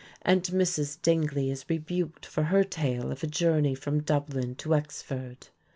And Mrs. Dingley is rebuked for her tale of a journey from Dublin to Wexford.